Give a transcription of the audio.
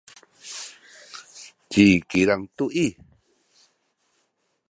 ci Kilang tu i